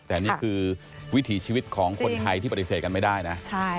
แต่นี่คือวิถีชีวิตของคนไทยที่ปฏิเสธกันไม่ได้นะ